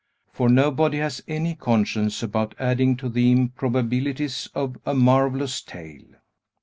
For nobody has any conscience about adding to the improbabilities of a marvellous tale.